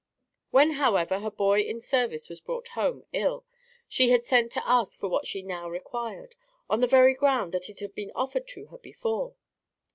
When, however, her boy in service was brought home ill, she had sent to ask for what she now required, on the very ground that it had been offered to her before.